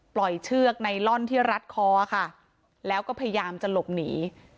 เชือกไนลอนที่รัดคอค่ะแล้วก็พยายามจะหลบหนี